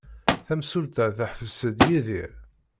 Tamsulta teḥbes-d Yidir.